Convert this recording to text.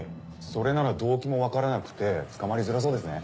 それなら動機も分からなくて捕まりづらそうですね。